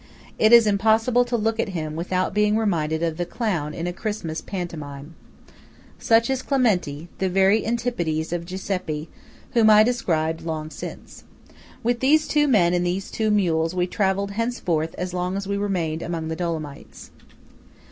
It is impossible to look at him without being reminded of the clown in a Christmas pantomime. Such is Clementi; the very antipodes of Giuseppe, whom I described long since. With these two men and these two mules, we travelled henceforth as long as we remained among the Dolomites.